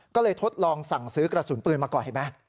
ก็เลยทดลองสั่งซื้อกระสุนปืนมาก่อนเห็นไหม